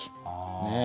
ねえ。